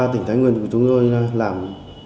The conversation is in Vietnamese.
tỉnh thái nguyên của chúng tôi làm